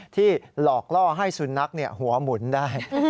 หลอกล่อให้สุนัขหัวหมุนได้